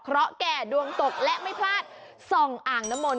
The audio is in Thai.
เพราะแก่ดวงตกและไม่พลาดส่องอ่างน้ำมนต